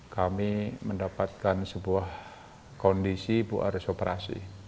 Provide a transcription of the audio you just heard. kami mendapatkan sebuah kondisi buarisi operasi